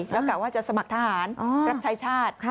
แล้วกะว่าจะสมัครทหารรับใช้ชาติ